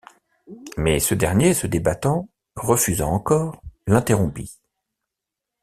Mais ce dernier, se débattant, refusant encore, l’interrompit.